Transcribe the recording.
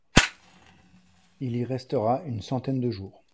Il y restera une centaine de jours.